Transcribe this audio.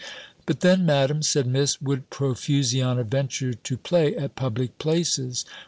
"But then, Madam," said Miss, "would Profusiana venture to play at public places?